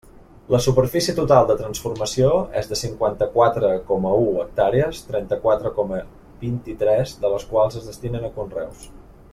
La superfície total de transformació és de cinquanta-quatre coma un hectàrees trenta-quatre coma vint-i-tres de les quals es destinen a conreus.